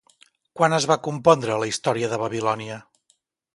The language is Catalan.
Quan es va compondre la Història de Babilònia?